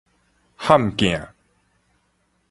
譀鏡